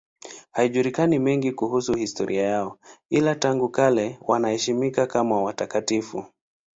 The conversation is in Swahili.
Hayajulikani mengine kuhusu historia yao, ila tangu kale wanaheshimiwa kama watakatifu.